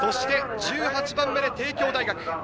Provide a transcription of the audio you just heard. １８番目で帝京大学。